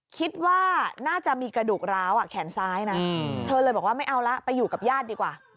คิดว่าน่าจะมีกระดูกร้าวแขนซ้ายนะเธอเลยบอกว่าไม่เอาละไปอยู่กับญาติดีกว่า